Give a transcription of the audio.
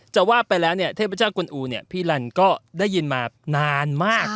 จะว่าไปแล้วเทพเจ้ากวนอู๋พี่ลันก็ได้ยินมานานมาก